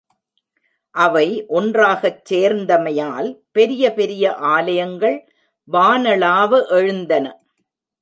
அவை ஒன்றாகச் சேர்ந்தமையால் பெரிய பெரிய ஆலயங்கள் வானளாவ எழுந்தன.